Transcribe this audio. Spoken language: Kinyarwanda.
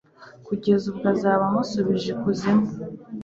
Kugeza ubwo azaba amusubije ikuzimu